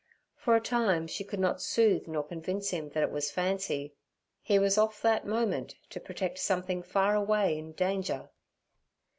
For a time she could not soothe nor convince him that it was fancy. He was off that moment to protect something far away in danger.